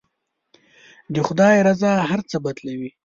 د خدای رضا هر څه بدلوي.